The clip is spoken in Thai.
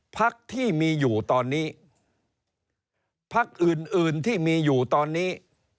พักที่มีอยู่ตอนนี้พักอื่นอื่นที่มีอยู่ตอนนี้